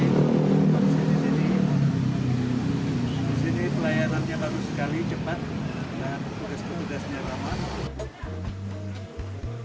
di sini pelayanannya bagus sekali cepat dan tugas tugasnya ramah